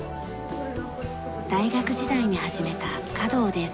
大学時代に始めた華道です。